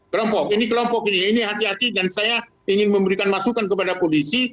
kelompok ini kelompok ini ini hati hati dan saya ingin memberikan masukan kepada polisi